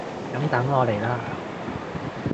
噉等我嚟喇！